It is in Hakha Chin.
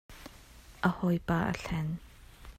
A hawipa a hlen.